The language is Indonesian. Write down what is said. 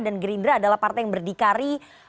dan gerindra adalah partai yang berdikari